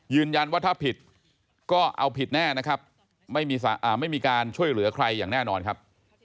ยืนยันว่าถ้าผิดก็เอาผิดแน่นะครับไม่มีการช่วยเหลือใครอย่างแน่นอนครับ